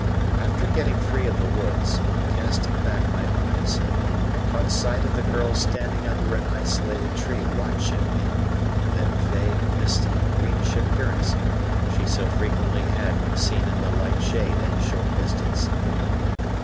After getting free of the woods, on casting back my eyes I caught sight of the girl standing under an isolated tree watching me with that vague, misty, greenish appearance she so frequently had when seen in the light shade at a short distance.